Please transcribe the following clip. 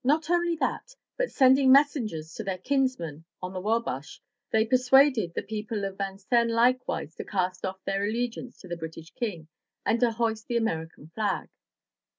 Not only that, but sending messengers to their kinsmen on the Wabash, they persuaded the people of Vincennes likewise to cast off their allegiance to the British king, and to hoist the American flag.